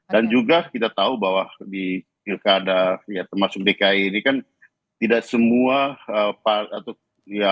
dan juga kita tahu bahwa di pilkada ya termasuk dki ini kan tidak semua part atau ya